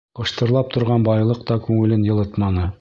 Ҡыштырлап торған байлыҡ та күңелен йылытманы.